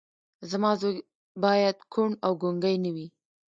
زما زوی باید کوڼ او ګونګی نه وي